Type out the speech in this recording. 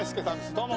どうも。